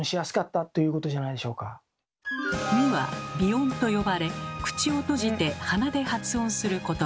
「ん」は「鼻音」と呼ばれ口を閉じて鼻で発音することば。